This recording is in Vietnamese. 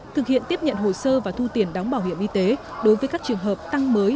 thực hiện tiếp nhận hồ sơ và thu tiền đóng bảo hiểm y tế đối với các trường hợp tăng mới